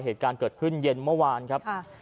เหตุการณ์เกิดขึ้นเย็นเมื่อวานครับ